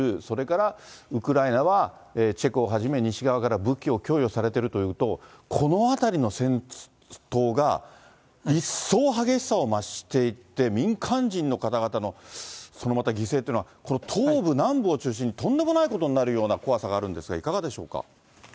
それからウクライナはチェコをはじめ、西側から武器を供与されているというと、この辺りの戦闘が、一層激しさを増していって、民間人の方々の、そのまた犠牲というのは、東部、南部を中心にとんでもないことになるような怖さがあるんですがい